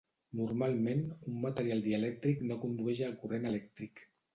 Normalment, un material dielèctric no condueix el corrent elèctric.